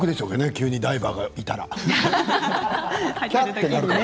急にダイバーがいたらね。